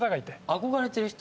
憧れてる人？